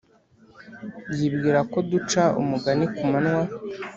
yibwira ko duca umugani ku manywa